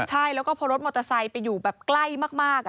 ใช่แล้วก็พอรถมอเตอร์ไซค์ไปอยู่แบบใกล้มาก